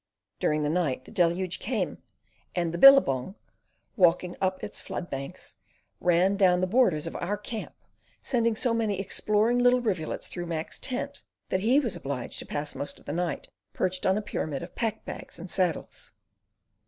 During the night the deluge came, and the billabong, walking up its flood banks, ran about the borders of our camp, sending so many exploring little rivulets through Mac's tent, that he was obliged to pass most of the night perched on a pyramid of pack bags and saddles.